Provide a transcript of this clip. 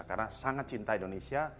karena sangat cinta indonesia